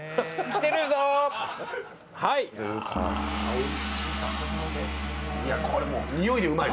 おいしそうですね。